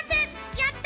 やった！